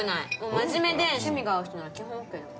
真面目で趣味が合う人なら基本ＯＫだもん。